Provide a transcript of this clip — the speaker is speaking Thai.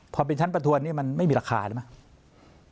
พอเป็นชั้นประทวนนี่มันไม่มีราคาเลยไหม